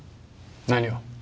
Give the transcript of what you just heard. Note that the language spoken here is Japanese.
何を？